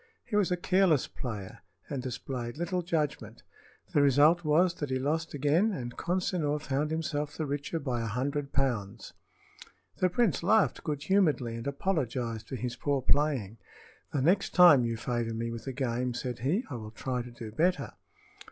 He was a careless player, and displayed little judgment. The result was that he lost again, and Consinor found himself the richer by a hundred pounds. The prince laughed good humoredly and apologized for his poor playing. "The next time you favor me with a game," said he, "I will try to do better."